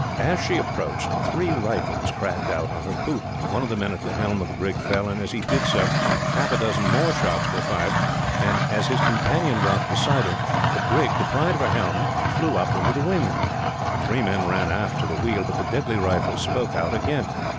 As she approached, three rifles cracked out on her poop. One of the men at the helm of the brig fell, and as he did so, half a dozen more shots were fired; and as his companion dropped beside him, the brig, deprived of her helm, flew up into the wind. Three men ran aft to the wheel, but the deadly rifles spoke out again.